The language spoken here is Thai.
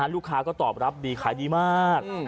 ลูกค้าก็ตอบรับดีขายดีมาก